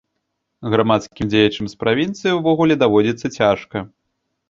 Грамадскім дзеячам з правінцыі ўвогуле даводзіцца цяжка.